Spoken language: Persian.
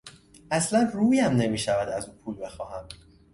اصلا رویم نمیشود از او پول بخواهم.